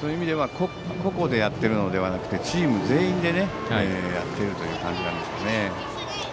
そういう意味では個々でやっているのではなくチーム全員でやっているという感じなんでしょうね。